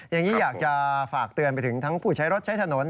อย่างนี้อยากจะฝากเตือนไปถึงทั้งผู้ใช้รถใช้ถนน